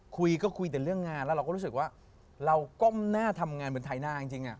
คุยก็คุยแต่เรื่องงานแล้วเราก็รู้สึกว่าเราก้มหน้าทำงานเหมือนไทยหน้าจริง